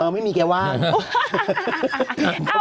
ไม่มีเกียร์ว่าง